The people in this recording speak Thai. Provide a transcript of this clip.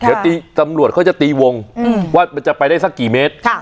เดี๋ยวตำรวจเขาจะตีวงว่ามันจะไปได้สักกี่เมตร